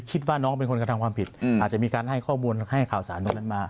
คิดว่าน้องเป็นคนกระทำความผิดอาจจะมีการให้ข้อมูลให้ข่าวสารตรงนั้นมา